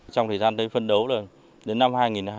trong thời gian phấn đấu đến năm hai nghìn hai mươi năm